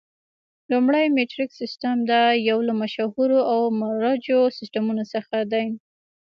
لومړی میټریک سیسټم، دا یو له مشهورو او مروجو سیسټمونو څخه دی.